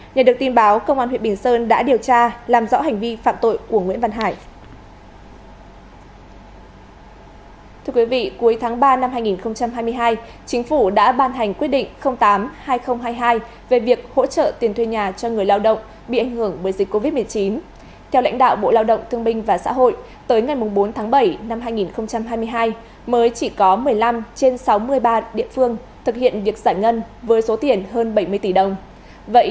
nhờ được tin báo cơ quan huyện bình sơn đã điều tra làm rõ hành vi phạm tội của nguyễn văn hải